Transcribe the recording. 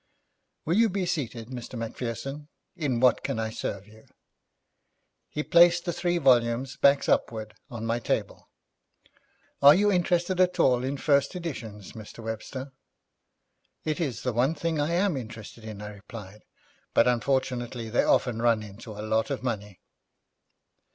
'Will you be seated, Mr. Macpherson? In what can I serve you?' He placed the three volumes, backs upward, on my table. 'Are you interested at all in first editions, Mr. Webster?' 'It is the one thing I am interested in,' I replied; 'but unfortunately they often run into a lot of money.'